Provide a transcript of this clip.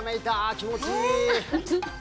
気持ちいい。